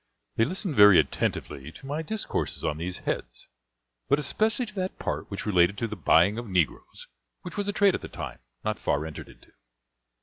They listened very attentively to my discourses on these heads, but especially to that part which related to the buying of negroes, which was a trade at that time, not far entered into.